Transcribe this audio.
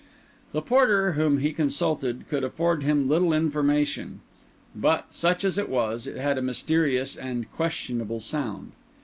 The porter, whom he consulted, could afford him little information; but, such as it was, it had a mysterious and questionable sound.